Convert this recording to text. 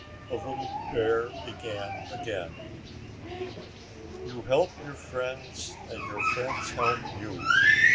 The little bear began again: "You help your friends and your friends help you.